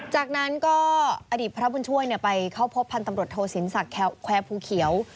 จากนั้นก็อดีตพระบุญช่วยไปเข้าพบพันธุ์ตำรวจโทสินศักดิ์แควร์ภูเขียว